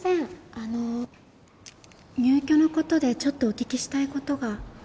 あの入居の事でちょっとお聞きしたい事が。